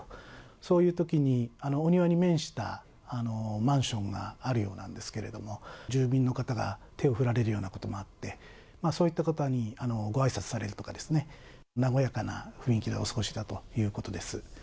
そういうときに、お庭に面したマンションがあるようなんですけれども、住民の方が手を振られるようなこともあって、そういった方にごあいさつされるとかですね、和やかな雰囲気でお過ごしだということです。